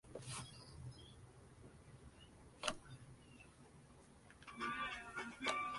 La estación posee dos murales cerámicos.